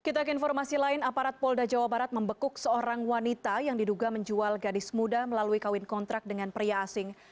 kita ke informasi lain aparat polda jawa barat membekuk seorang wanita yang diduga menjual gadis muda melalui kawin kontrak dengan pria asing